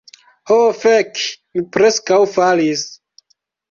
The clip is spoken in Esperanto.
Ho fek' mi preskaŭ falis